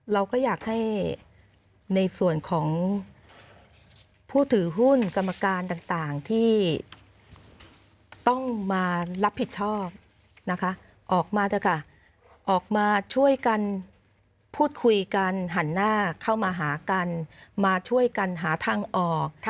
เราก็อยากให้ในส่วนของผู้ถือหุ้นกรรมการต่างที่ต้องมารับผิดชอบนะคะออกมาเถอะค่ะออกมาช่วยกันพูดคุยกันหันหน้าเข้ามาหากันมาช่วยกันหาทางออก